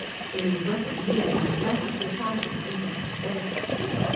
The new weapon he laid on the blanket beside him when he went to bed.